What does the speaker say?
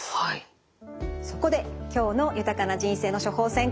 そこで今日の「豊かな人生の処方せん」